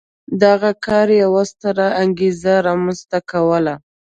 دغه کار یوه ستره انګېزه رامنځته کوله.